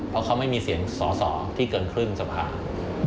เพราะเขาไม่มีเสียงสอสอที่เกินครึ่งสภา